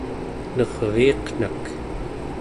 nerviiqnak